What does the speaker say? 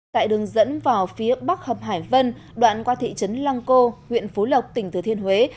tại đường dẫn vào phía bắc hợp hải vân đoạn qua thị trấn lăng cô huyện phú lộc tỉnh thừa thiên huế